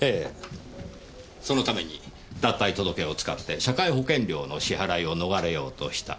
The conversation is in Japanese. そのために脱退届を使って社会保険料の支払いを逃れようとした。